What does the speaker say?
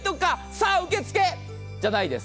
さあ受け付け、じゃないです。